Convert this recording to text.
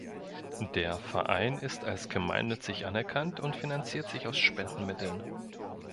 Der Verein ist als gemeinnützig anerkannt und finanziert sich aus Spendenmitteln.